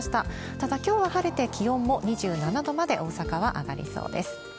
ただ、きょうは晴れて、気温も２７度まで、大阪は上がりそうです。